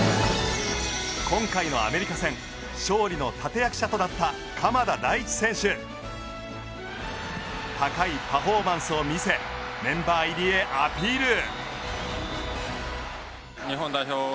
今回のアメリカ戦勝利の立役者となった高いパフォーマンスを見せメンバー入りへアピール！